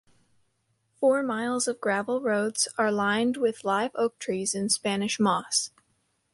Four miles of gravel roads are lined with live oak trees and Spanish moss.